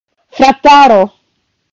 Frataro!